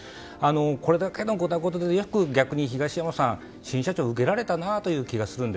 これだけのゴタゴタでよく逆に東山さん新社長を受けられたなと思いました。